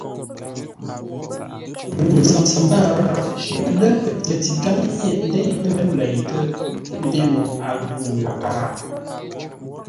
Ŋuu ntsəm pfǎr, lə́ pətikáŋ nyêʼ ndêitə́ mə́u leitə́, ńté no a ghʉ̂ ŋuu kâa.